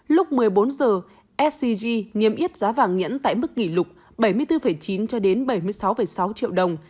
lúc một mươi bốn h scg niêm yết giá vàng nhẫn tại mức kỷ lục bảy mươi bốn chín cho đến bảy mươi sáu sáu triệu đồng